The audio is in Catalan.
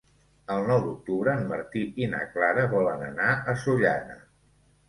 El nou d'octubre en Martí i na Clara volen anar a Sollana.